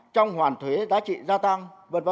trong hoàn thuế đá trị gia tăng